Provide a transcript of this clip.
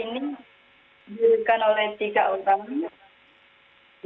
dirikan oleh tiga orang